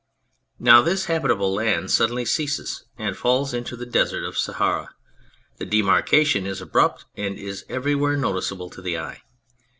Now this habitable land suddenly ceases, and falls into the Desert of Sahara. The demarkation is abrupt and is everywhere noticeable to the eye.